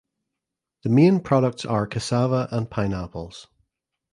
The main products are cassava and pineapples.